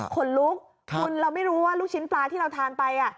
ขนลุกคุณเราไม่รู้ว่าลูกชิ้นปลาที่เราทานไป